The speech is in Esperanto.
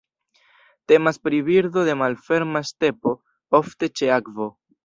Temas pri birdo de malferma stepo, ofte ĉe akvo.